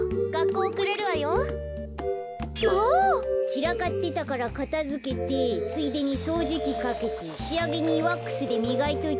ちらかってたからかたづけてついでにそうじきかけてしあげにワックスでみがいといたよ。